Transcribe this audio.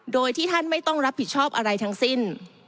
โดยที่ท่านไม่ต้องรับผิดชอบอะไรทั้งสิ้น